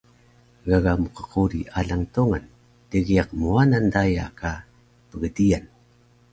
Gaga mqquri alang Tongan dgiyaq Mwanan daya ka Pgdiyan